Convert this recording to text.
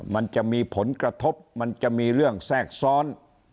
มันจะมีผลกระทบมันจะมีเรื่องแทรกซ้อน